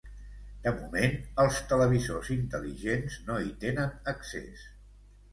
De moment, els televisors intel·ligents no hi tenen accés.